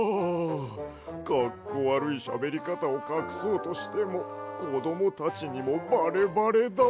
かっこわるいしゃべりかたをかくそうとしてもこどもたちにもバレバレだわ。